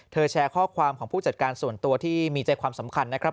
แชร์ข้อความของผู้จัดการส่วนตัวที่มีใจความสำคัญนะครับ